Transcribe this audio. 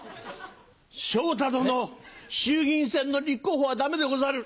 昇太殿衆議院選の立候補はダメでござる。